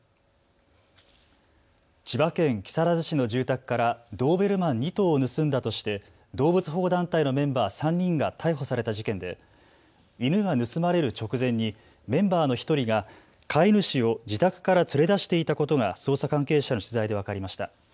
千葉県木更津市の住宅からドーベルマン２頭を盗んだとして動物保護団体のメンバー３人が逮捕された事件で犬が盗まれる直前にメンバーの１人が飼い主を自宅から連れ出していたことが捜査関係者への取材で分かりました。